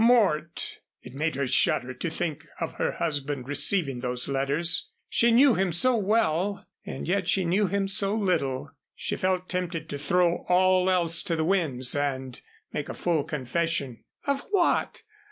Mort! It made her shudder to think of her husband receiving those letters. She knew him so well and yet she knew him so little. She felt tempted to throw all else to the winds and make a full confession of what?